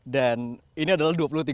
dan ini adalah dua puluh tiga maret